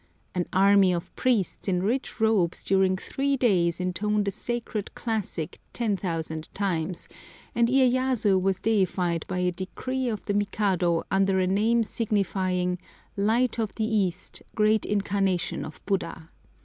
An army of priests in rich robes during three days intoned a sacred classic 10,000 times, and Iyéyasu was deified by a decree of the Mikado under a name signifying "light of the east, great incarnation of Buddha."